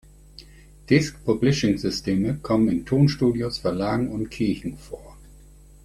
Disc-publishing-Systeme kommen in Tonstudios, Verlagen und Kirchen vor.